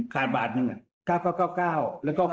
ขาดบาทนึง๙๙๙๙แล้วก็๖๙๙๙